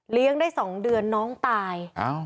เลี้ยงได้๒เดือนน้องตาย